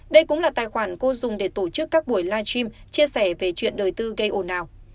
đây cũng là tài khoản cô dùng để tổ chức các buổi live stream chia sẻ về chuyện đời tư gây ồn ào